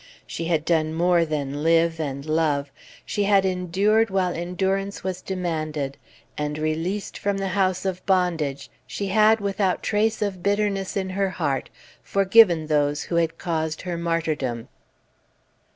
She had done more than live and love: she had endured while endurance was demanded; and, released from the house of bondage, she had, without trace of bitterness in her heart, forgiven those who had caused her martyrdom.